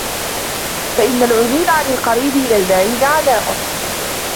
فَإِنَّ الْعُدُولَ عَنْ الْقَرِيبِ إلَى الْبَعِيدِ عَنَاءٌ